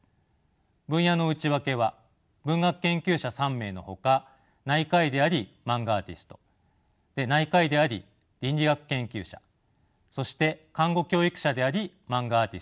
分野の内訳は文学研究者３名のほか内科医でありマンガアーティスト内科医であり倫理学研究者そして看護教育者でありマンガアーティストです。